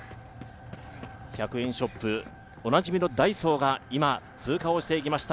１００円ショップ、おなじみのダイソーが今、通過をしていきました